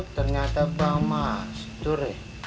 ternyata bang mastur ya